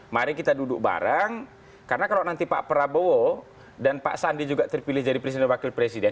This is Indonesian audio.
mari kita duduk bareng karena kalau nanti pak prabowo dan pak sandi juga terpilih jadi presiden dan wakil presiden